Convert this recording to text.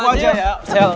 udah siap lo